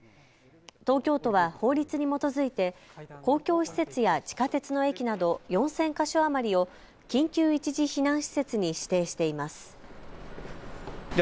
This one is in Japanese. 東京都は法律に基づいて公共施設や地下鉄の駅など４０００か所余りを緊急一時避難施設に指定しています。